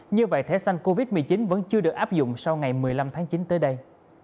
như vậy thẻ xanh covid một mươi chín vẫn chưa được áp dụng sau ngày một mươi năm tháng chín tới đây